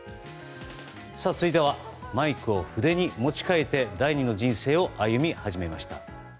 続いてはマイクを筆に持ち替えて第２の人生を歩み始めました。